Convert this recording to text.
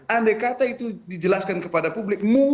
andai kata itu dijelaskan kepada publik